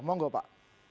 mau nggak pak